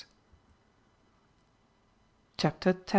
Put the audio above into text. CHAPTER X.